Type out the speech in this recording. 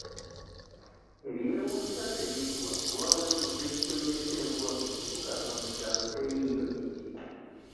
Ebyewuunyisa tebiggwa kuba weebuuza ekitonnyesa enkuba mu kibuga nga mu kyalo teriiyo kiki?